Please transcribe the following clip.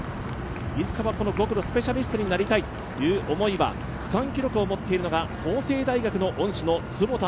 いつかは５区のスペシャリストになりたいという思いは、区間記録をもっているのは法政大学の恩師です。